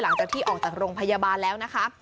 หลังจากที่ออกจากโรงพยาบาลแล้วนะคะ